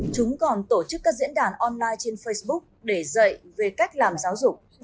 chúng còn tổ chức các diễn đàn online trên facebook để dạy về cách làm giáo dục